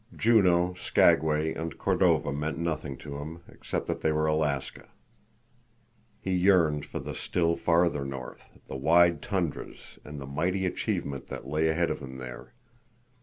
Juneau, Skagway, and Cordova meant nothing to him, except that they were Alaska. He yearned for the still farther north, the wide tundras, and the mighty achievement that lay ahead of him there.